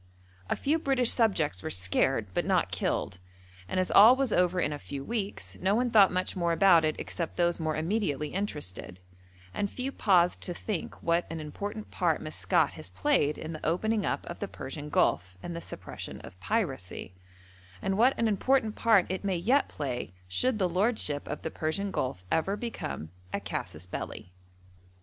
A few British subjects were scared, but not killed, and as all was over in a few weeks no one thought much more about it except those more immediately interested, and few paused to think what an important part Maskat has played in the opening up of the Persian Gulf and the suppression of piracy, and what an important part it may yet play should the lordship of the Persian Gulf ever become a casus belli.